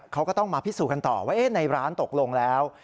เขาก็ต้องมาพิสูจน์กันต่อว่าในร้านตกลงแล้ว